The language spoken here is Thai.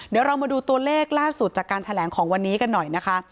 เดี๋ยวเรามาดูตัวเลขล่าสุดจากการแถลงของวันนี้กันหน่อยนะคะ